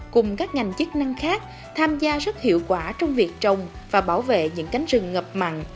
cùng các ngành chức năng khác tham gia rất hiệu quả trong việc trồng và bảo vệ những cánh rừng ngập mặn